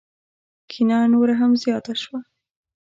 کینه نوره هم زیاته شوه.